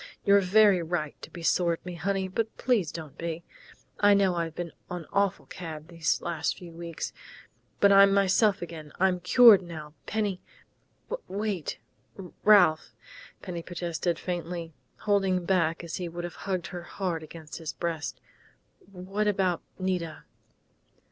"You've every right to be sore at me, honey, but please don't be. I know I've been an awful cad these last few weeks, but I'm myself again. I'm cured now, Penny " "Wait, Ralph!" Penny protested faintly, holding back as he would have hugged her hard against his breast. "What about Nita?"